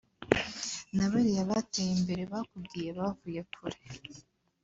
na bariya bateye imbere bakubwiye bavuye kure